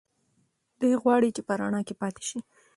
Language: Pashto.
دی غواړي چې په رڼا کې پاتې شي.